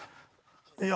いや。